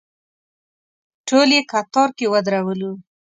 ټول یې کتار کې ودرولو.